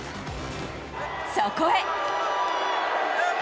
そこへ。